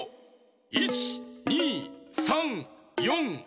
１２３４５６。